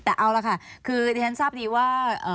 เอาละค่ะคือในการสร้างสร้างวิจารณ์